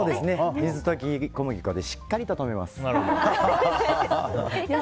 水溶き小麦粉でしっかりとめます。